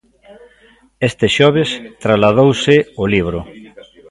Este xoves trasladouse o libro.